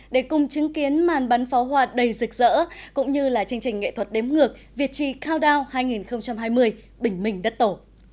để cùng chứng kiến màn bắn pháo hoa đầy rực rỡ cũng như là chương trình nghệ thuật đếm ngược việt trì countdown hai nghìn hai mươi bình minh đất tổ